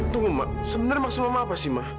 tunggu ma sebenarnya maksud mama apa sih ma